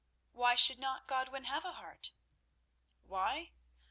"Why should not Godwin have a heart?" "Why?